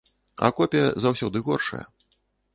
А копія заўсёды горшая.